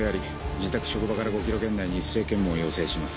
自宅職場から５ｋｍ圏内に一斉検問を要請します。